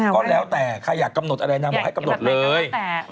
ก็แล้วแต่ใครอยากกำหนดอะไรนางบอกให้กำหนดเลย